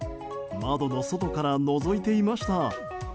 窓の外からのぞいていました。